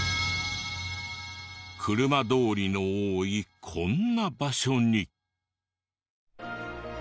車通りの多いこんな場所に。